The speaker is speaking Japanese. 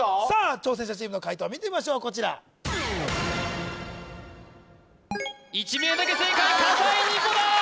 挑戦者チームの解答を見てみましょうこちら１名だけ正解笠井虹来だ！